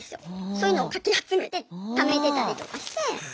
そういうのをかき集めてためてたりとかして。